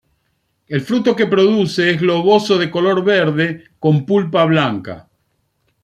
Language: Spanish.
El fruto que produce es globoso de color verde con pulpa blanca.